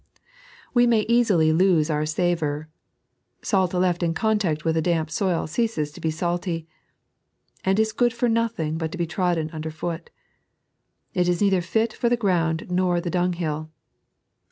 We may easily lose our savour. Salt left in contact with a damp soil ceases to be salty, and ia good for nothing but to be trodden under foot. It ia neither fit for the ground nor the dunghill.